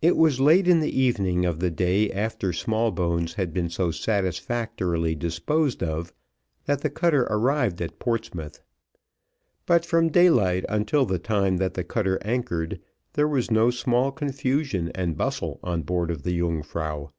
It was late in the evening of the day after Smallbones had been so satisfactorily disposed of that the cutter arrived at Portsmouth; but from daylight until the time that the cutter anchored, there was no small confusion and bustle on board of the Yungfrau.